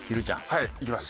はいいきます。